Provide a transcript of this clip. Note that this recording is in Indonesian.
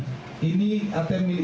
jadi mereka terus datang ke tempat